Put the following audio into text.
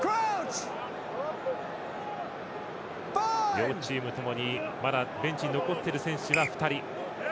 両チームともにまだベンチに残っている選手が２人。